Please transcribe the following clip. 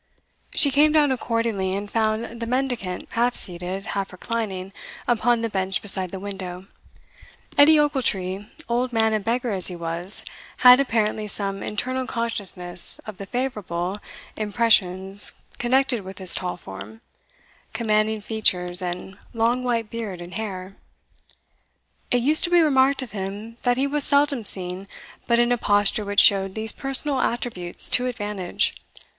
She came down accordingly, and found the mendicant half seated, half reclining, upon the bench beside the window. Edie Ochiltree, old man and beggar as he was, had apparently some internal consciousness of the favourable, impressions connected with his tall form, commanding features, and long white beard and hair. It used to be remarked of him, that he was seldom seen but in a posture which showed these personal attributes to advantage.